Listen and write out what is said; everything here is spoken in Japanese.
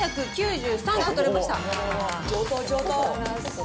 上等、上等。